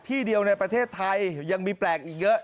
ที่เดียวในประเทศไทยยังมีแปลกอีกเยอะ